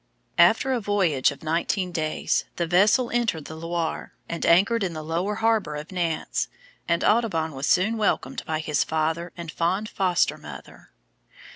After a voyage of nineteen days the vessel entered the Loire, and anchored in the lower harbour of Nantes, and Audubon was soon welcomed by his father and fond foster mother.